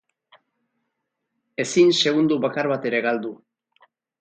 Ezin segundo bakar bat ere galdu.